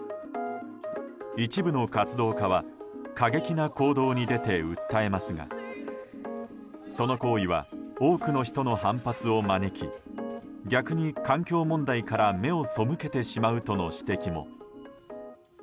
一部の活動家は過激な行動に出て訴えますがその行為は多くの人の反発を招き逆に環境問題から目を背けてしまうとの指摘も。